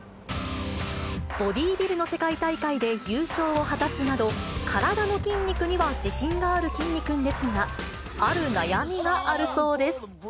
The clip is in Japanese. ボディービルの世界大会で優勝を果たすなど、体の筋肉には自信があるきんに君ですが、ある悩みがあるそうです。